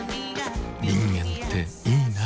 人間っていいナ。